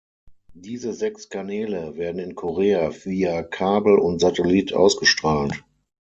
Diese sechs Kanäle werden in Korea via Kabel und Satellit ausgestrahlt.